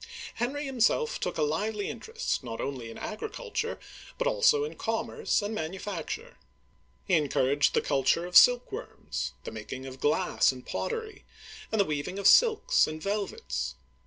Henry himself took a lively interest not only in agri culture but also in commerce and manufacture. He en couraged the culture of silkworms, the making of glass and pottery, and the weaving of silks and velvets.